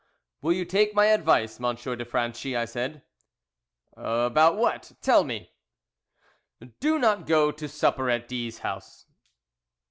"Will you take my advice, Monsieur de Franchi," I said. "About what? tell me!" "Do not go to supper at D 's house."